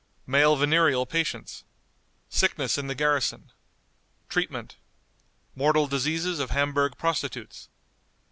Male Venereal Patients. Sickness in the Garrison. Treatment. Mortal Diseases of Hamburg Prostitutes.